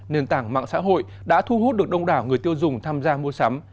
nền tảng mạng xã hội đã thu hút được đông đảo người tiêu dùng tham gia mua sắm